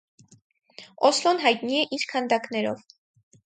Օսլոն հայտնի է իր քանդակներով։